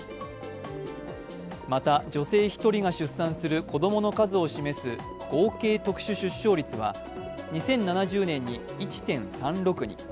また、女性１人が出産する子供の数を示す合計特殊出生率は２０７０年に１．３６人。